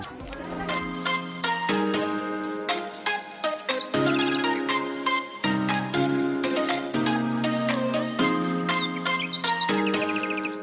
pasar buah brastagi